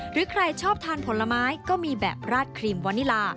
หรือใครชอบทานผลไม้ก็มีแบบราดครีมวานิลา